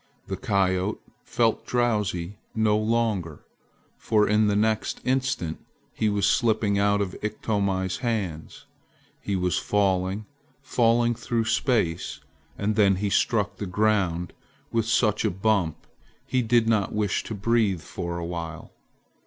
The coyote felt drowsy no longer, for in the next instant he was slipping out of Iktomi's hands. He was falling, falling through space, and then he struck the ground with such a bump he did not wish to breathe for a while.